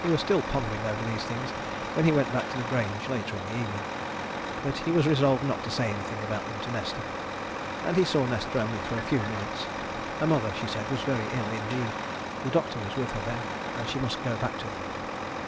He was still pondering over these things when he went back to the Grange, later in the evening but he was resolved not to say anything about them to Nesta. And he saw Nesta only for a few minutes. Her mother, she said, was very ill indeed the doctor was with her then, and she must go back to them.